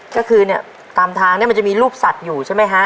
ก็คือเนี่ยตามทางเนี่ยมันจะมีรูปสัตว์อยู่ใช่ไหมฮะ